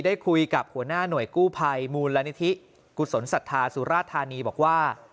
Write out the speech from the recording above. ได้คุยกับหัวหน้าหน่วยกู้ภัยมูลนิธิกุศลศรัทธาสุราธานีบอกว่า